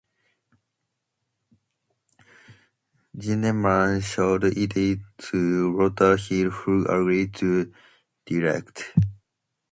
Zinnemann showed it to Walter Hill who agreed to direct.